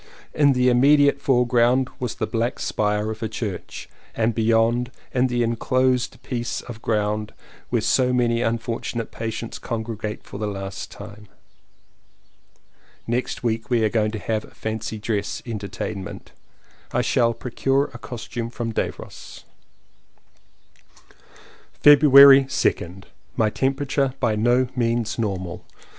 In the immediate foreground was the black spire of a church; and beyond, the enclosed piece of ground where so many unfortunate patients congregate for the last time. Next week we are going to have a fancy dress entertainment. I shall procure a costume from^Davos. 232 LLEWELLYN POWYS February 2nd. My temperature by no means normal.